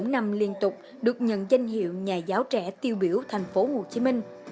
bốn năm liên tục được nhận danh hiệu nhà giáo trẻ tiêu biểu thành phố hồ chí minh